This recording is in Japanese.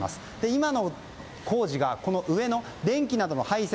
今の工事が、上の電気などの配線。